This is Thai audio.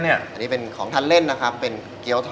นี่พัดสอสบูโกอคิ